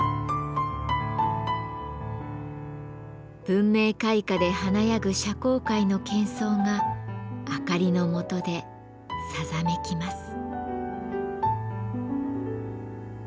文明開化で華やぐ社交界のけん騒が明かりの下でさざめきます。